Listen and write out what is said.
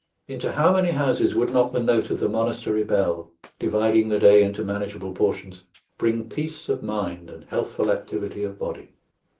Into how many houses would not the note of the monastery bell, dividing the day into manageable portions, bring peace of mind and healthful activity of body!